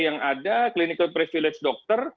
yang ada clinical privilege dokter